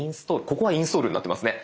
ここはインストールになってますね。